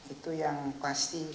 itu yang pasti